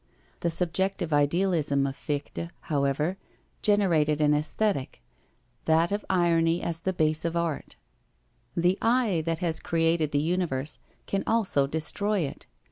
The subjective idealism of Fichte, however, generated an Aesthetic: that of irony as the base of art. The I that has created the universe can also destroy it.